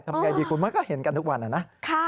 ทำไงดีคุณมันก็เห็นกันทุกวันนะ